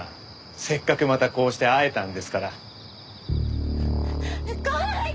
せっかくまたこうして会えたんですから。来ないで！